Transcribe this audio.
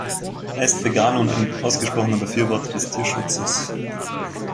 Er ist Veganer und ein ausgesprochener Befürworter des Tierschutzes.